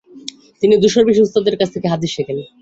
তিনি দুশোর বেশি উস্তাদের কাছ থেকে হাদিস শেখেন।